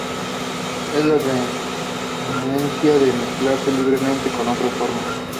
Es la renuencia a mezclarse libremente con otras formas...